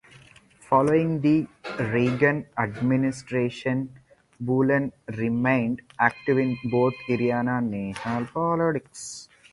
Following the Reagan administration Bulen remained active in both Indiana and national politics.